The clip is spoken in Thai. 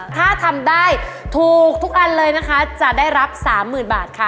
ถ้าทำได้ถูกทุกอันเลยนะคะจะได้รับสามหมื่นบาทค่ะ